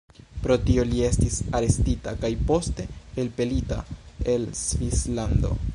Pro tio, li estis arestita kaj poste elpelita el Svislando.